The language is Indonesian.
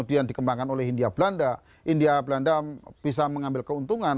yang dikembangkan oleh hindia belanda india belanda bisa mengambil keuntungan